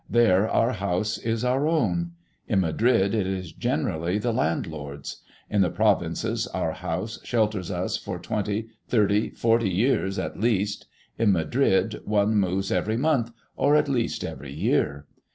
There our house is our own. In Madrid it is generally the landlord's. In the provinces our house shelters us for twenty, thirty, forty years at least. In Madrid one moves every month, or at least every year.